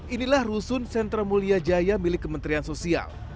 inilah rusun sentra mulia jaya milik kementerian sosial